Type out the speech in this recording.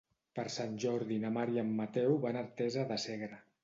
Per Sant Jordi na Mar i en Mateu van a Artesa de Segre.